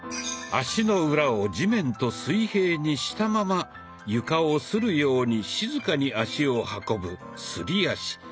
足の裏を地面と水平にしたまま床をするように静かに足を運ぶすり足。